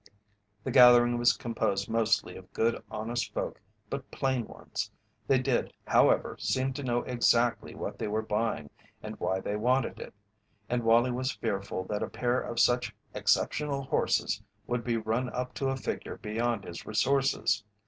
The gathering was composed mostly of good, honest folk but plain ones. They did, however, seem to know exactly what they were buying and why they wanted it, and Wallie was fearful that a pair of such exceptional horses would be run up to a figure beyond his resources.